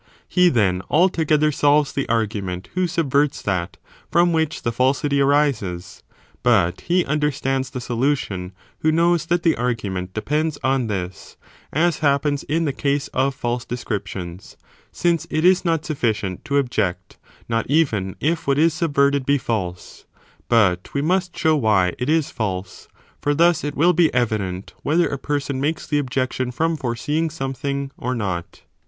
He then, alto gether solves (the argument) who subverts that, from which the falsity arises, but he understands the solution who knows that the argument depends on this, as (happens) in the case of false descriptions, since it is not sufficient to object, not even if what is subverted be false, but we must show why it is false, for thus it will be evident whether a person makes the objection from foreseeing something or not.